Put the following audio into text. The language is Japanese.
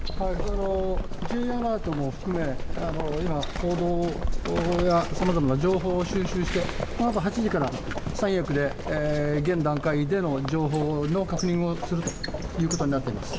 Ｊアラートも含め、今、報道や、さまざまな情報を収集して、このあと８時から三役で現段階での情報の確認をするということになっています。